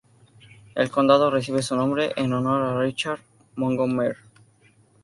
El condado recibe su nombre en honor a Richard Montgomery.